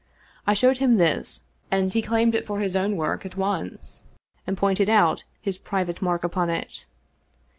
I showed him this, and he claimed it for his own work at once, and pointed out his private mark upon it.